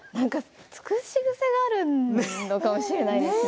尽くし癖があるのかもしれないですね。